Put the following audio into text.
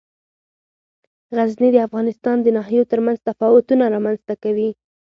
غزني د افغانستان د ناحیو ترمنځ تفاوتونه رامنځ ته کوي.